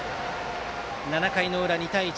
７回の裏、２対１。